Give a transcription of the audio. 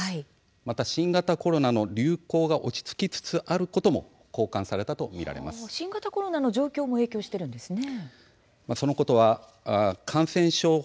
また新型コロナの流行が落ち着きつつあることも新型コロナの状況も影響しているんですね。